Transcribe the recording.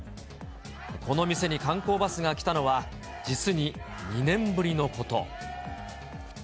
この店に観光バスが来たのは、実に２年ぶりのこと。